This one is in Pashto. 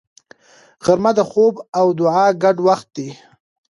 غرمه د خوب او دعا ګډ وخت دی